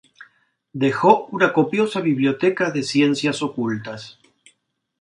Dejó una copiosa biblioteca de ciencias ocultas.